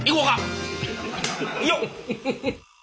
よっ！